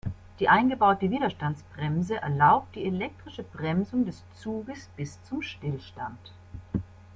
Die eingebaute Widerstandsbremse erlaubt die elektrische Bremsung des Zuges bis zum Stillstand.